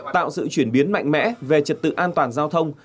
tạo sự chuyển biến mạnh mẽ về trật tự an toàn giao thông